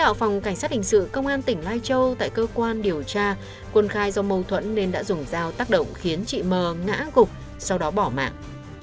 phòng cảnh sát hình sự công an tỉnh lai châu tại cơ quan điều tra quân khai do mâu thuẫn nên đã dùng dao tác động khiến chị mờ ngã gục sau đó bỏ mạng